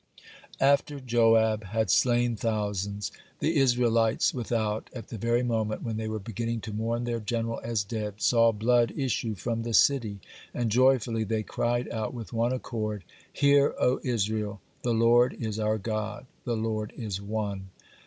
After Joab had slain thousands, the Israelites without, at the very moment when they were beginning to mourn their general as dead, saw blood issue from the city, and joyfully they cried out with one accord: "Hear, O Israel, the Lord is our God, the Lord is One."